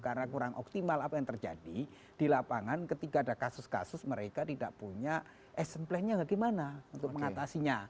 karena kurang optimal apa yang terjadi di lapangan ketika ada kasus kasus mereka tidak punya esemplennya bagaimana untuk mengatasinya